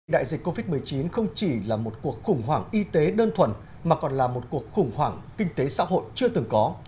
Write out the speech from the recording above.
đại dịch covid một mươi chín không chỉ là một cuộc khủng hoảng y tế đơn thuần mà còn là một cuộc khủng hoảng kinh tế xã hội chưa từng có